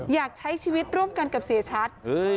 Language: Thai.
อยากใช้ชีวิตร่วมกันกับเสียชัด